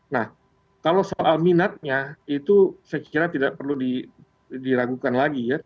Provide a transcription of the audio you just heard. nah kalau soal minatnya itu saya kira tidak perlu diragukan lagi ya